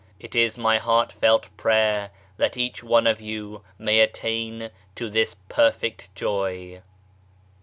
It is my heartfelt prayer that each one of you may attain to this perfect joy